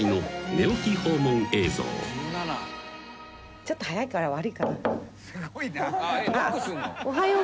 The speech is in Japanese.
「ちょっと早いから悪いかな」